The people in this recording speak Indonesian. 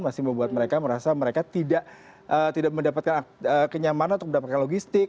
masih membuat mereka merasa mereka tidak mendapatkan kenyamanan untuk mendapatkan logistik